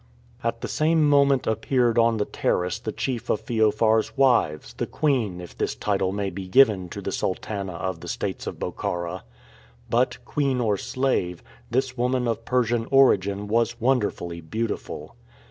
At the same moment appeared on the terrace the chief of Feofar's wives, the queen, if this title may be given to the sultana of the states of Bokhara. But, queen or slave, this woman of Persian origin was wonderfully beautiful.